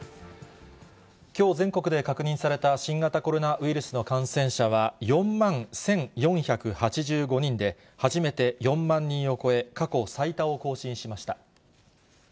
きょう、全国で確認された新型コロナウイルスの感染者は４万１４８５人で、初めて４万人を超え、過去最多を更新しました。